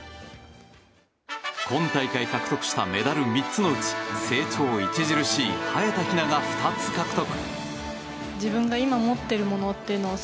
今大会獲得したメダル３つのうち成長著しい早田ひなが２つ獲得。